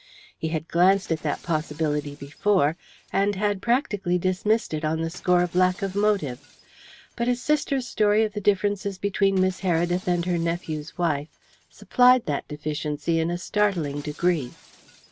He had glanced at that possibility before, and had practically dismissed it on the score of lack of motive, but his sister's story of the differences between Miss Heredith and her nephew's wife supplied that deficiency in a startling degree.